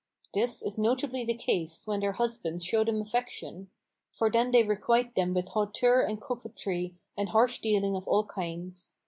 This is notably the case when their husbands show them affection; for then they requite them with hauteur and coquetry and harsh dealing of all kinds.